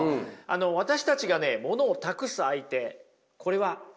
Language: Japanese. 私たちがねものを託す相手これは他者ですよね。